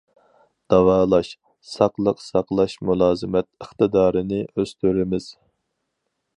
داۋالاش- ساقلىق ساقلاش مۇلازىمەت ئىقتىدارىنى ئۆستۈرىمىز.